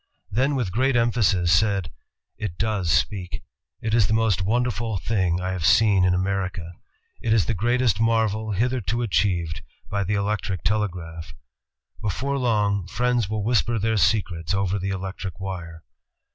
Then with great emphasis said, "It does speak. It is the most wonderful thing I have seen in America. ... It is the greatest marvel hitherto achieved by the electric telegraph. ... Before long, friends will whisper their secrets over the electric wire!"